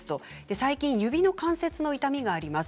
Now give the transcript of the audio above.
最近、指の関節の痛みがあります。